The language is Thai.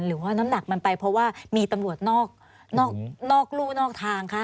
หรือว่าน้ำหนักมันไปเพราะว่ามีตำรวจนอกรู่นอกทางคะ